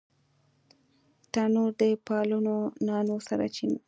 تنور د پالو نانو سرچینه ده